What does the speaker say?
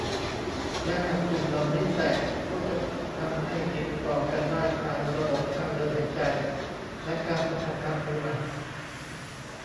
และหากตุ่มเหล่านี้แตกก็จะทำให้ติดต่อกันได้ผ่านระบบทางเดินหายใจ และการสัมผัสทางผิวหนัง